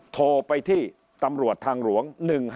โทรไปที่ตำรวจทางหลวง๑๕